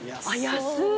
安い！